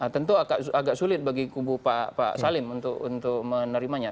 tentu agak sulit bagi kubu pak salim untuk menerimanya